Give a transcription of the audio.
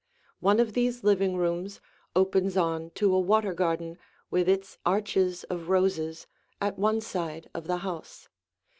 One of these living rooms opens on to a water garden with its arches of roses at one side of the house.